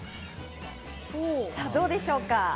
さぁどうでしょうか？